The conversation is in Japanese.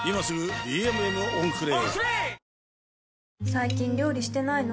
最近料理してないの？